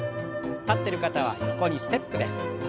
立ってる方は横にステップです。